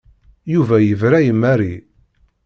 Yuba yebra i Mary.